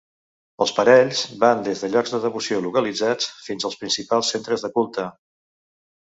Els parells van des de llocs de devoció localitzats fins als principals centres de culte.